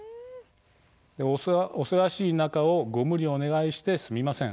おせわしい中をご無理お願いして、すみません。